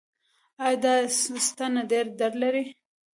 ایا دا ستنه ډیر درد لري؟